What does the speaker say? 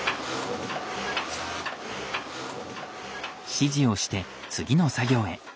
指示をして次の作業へ。